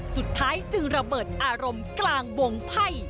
สุดท้ายจึงระเบิดอารมณ์กลางวงไพ่